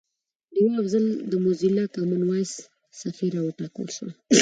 ډیوه افضل د موزیلا کامن وایس سفیره وټاکل شوه